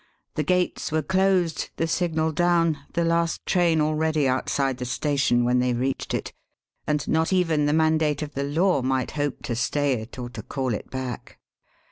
The gates were closed, the signal down, the last train already outside the station when they reached it, and not even the mandate of the law might hope to stay it or to call it back.